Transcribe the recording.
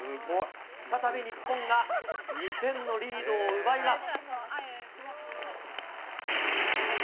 再び日本が２点のリードを奪います。